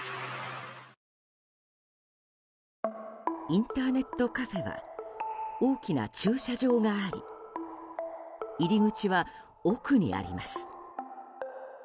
インターネットカフェは大きな駐車場があり入り口は奥にあります。